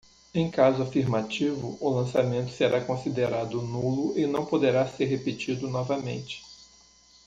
Em caso afirmativo, o lançamento será considerado nulo e não poderá ser repetido novamente.